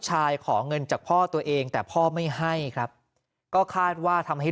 ขอเงินจากพ่อตัวเองแต่พ่อไม่ให้ครับก็คาดว่าทำให้